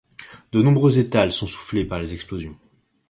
De nombreux étals sont soufflés par les explosions.